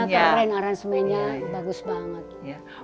lagunya keren aransemennya bagus banget